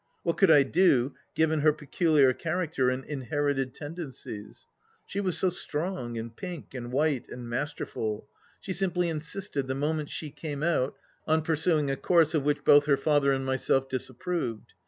What could I do, given her peculiar character and inherited tendencies ? She was so strong and pink and white and masterful. She simply insisted, the moment she came out, on pursuing a course of which both her father and myself disapproved.